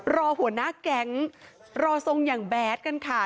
รอหัวหน้าแก๊งรอทรงอย่างแบดกันค่ะ